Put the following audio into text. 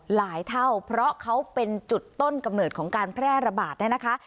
เท่าเพราะเขาเป็นจุดต้นกำเนิดของการแพร่ระบาดเนี่ยนะคะ